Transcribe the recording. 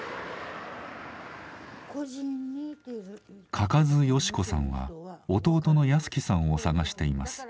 嘉数好子さんは弟の保喜さんを捜しています。